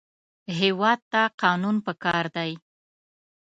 هېواد ته قانون پکار دی